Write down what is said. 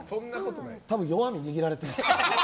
多分、弱み握られてます。